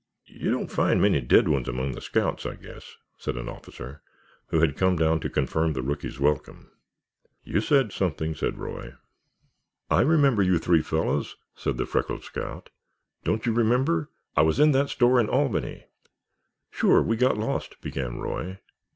"You don't find many dead ones among the scouts, I guess," said an officer, who had come down to confirm the rookies' welcome. "You said something," said Roy. "I remember you three fellows," said the freckled scout. "Don't you remember? I was in that store in Albany——" "Sure, we got lost," began Roy.